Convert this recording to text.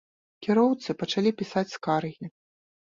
Кіроўцы пачалі пісаць скаргі.